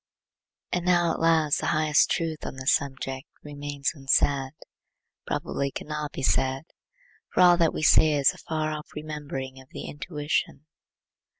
And now at last the highest truth on this subject remains unsaid; probably cannot be said; for all that we say is the far off remembering of the intuition.